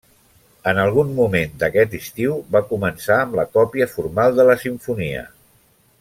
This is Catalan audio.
En algun moment d'aquest estiu va començar amb la còpia formal de la simfonia.